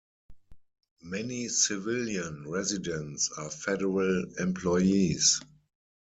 Many civilian residents are federal employees.